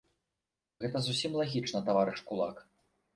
Гэта зусім лагічна, таварыш кулак!